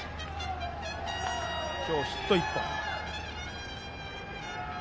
今日ヒット１本。